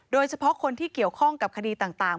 โดยเฉพาะคนที่เกี่ยวข้องกับคดีต่าง